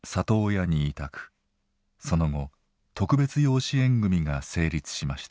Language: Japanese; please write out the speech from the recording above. その後特別養子縁組が成立しました。